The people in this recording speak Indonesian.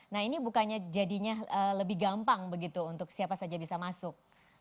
nah ini bukannya jadinya lebih gampang begitu untuk siapa saja bisa masuk